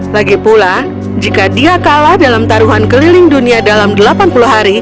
lagi pula jika dia kalah dalam taruhan keliling dunia dalam delapan puluh hari